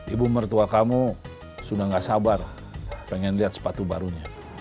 ibu mertua kamu sudah gak sabar pengen lihat sepatu barunya